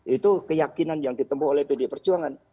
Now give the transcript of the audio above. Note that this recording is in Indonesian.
itu keyakinan yang ditemukan oleh pdp perjuangan